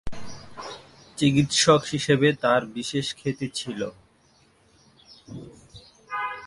চিকিৎসক হিসেবে তার বিশেষ খ্যাতি ছিল।